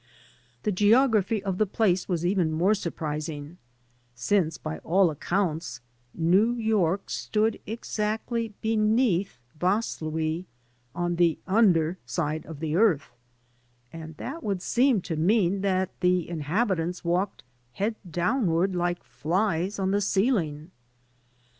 The geography of the place was even more surprising, since by all accounts New York stood exactly beneath Vaslui, "on the under side of the earth," and that would seem to mean that the inhabitants walked head downward like ffies on the ceiling.